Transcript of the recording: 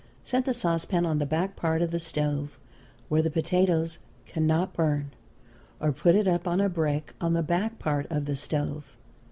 Set the sauce pan on the back part of the stove where the potatoes can not burn, or put it up on a brick on the back part of the stove.